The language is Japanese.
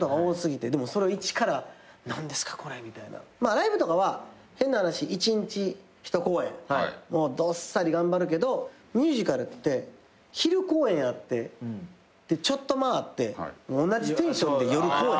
ライブとかは変な話１日１公演どっさり頑張るけどミュージカルって昼公演あってちょっと間あって同じテンションで夜公演。